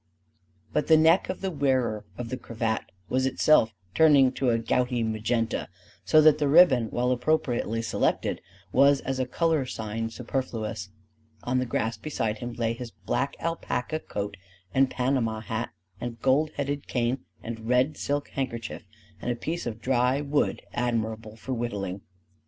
But the neck of the wearer of the cravat was itself turning to a gouty magenta; so that the ribbon, while appropriately selected, was as a color sign superfluous. On the grass beside him lay his black alpaca coat and panama hat and gold headed cane and red silk handkerchief and a piece of dry wood admirable for whittling.